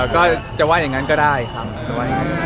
ก็จะว่ายังงั้นก็ได้ครับ